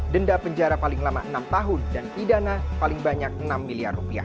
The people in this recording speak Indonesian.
denda penjara paling lama enam tahun dan pidana paling banyak rp enam miliar